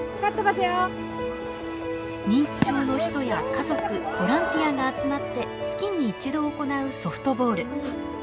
認知症の人や家族ボランティアが集まって月に一度行うソフトボール。